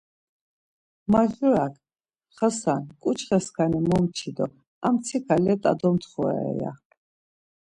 Majurak, Xasan ǩuçxaskani momçi do a mtsika lat̆a domtxora ya.